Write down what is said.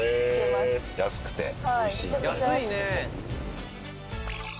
安くておいしいんだ。